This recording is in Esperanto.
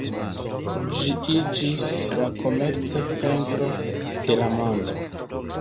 Ĝi iĝis la komerca centro de la mondo.